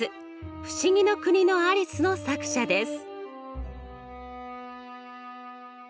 「不思議の国のアリス」の作者です。